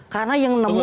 karena yang nemuin